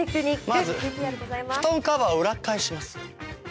まず布団カバーを裏返します。